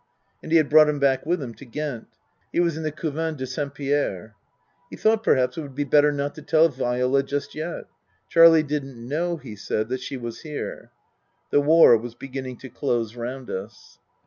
And he had brought him back with him to Ghent. He was in the Couvent de Saint Pierre. He thought, perhaps, it would be better not to tell Viola just yet. Charlie didn't know, he said, that she was here. The war was beginning to close round us.